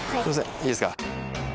いいですか？